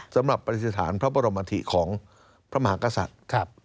สำหรับปฏิสฐานพระบรมถิของพระมหากศัตริย์